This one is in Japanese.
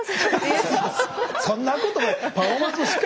そんなことない。